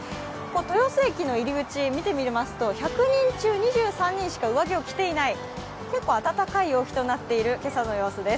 豊洲駅の入り口見てみますと１００人中２３人しか上着を着ていない結構、暖かい陽気となっている今朝の様子です。